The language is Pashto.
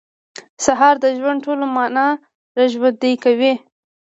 سهار د ژوند ټوله معنا راژوندۍ کوي.